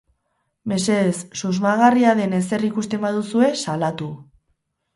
Mesedez, susmagarria den ezer ikusten baduzue, salatu.